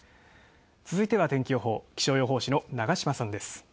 続いては天気予報、気象予報士の長島さんです。